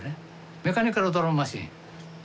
メカニカルドラムマシン。